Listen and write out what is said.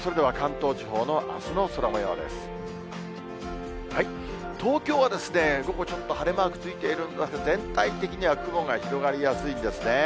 東京は午後ちょっと晴れマークついているんですけれども、全体的には雲が広がりやすいんですね。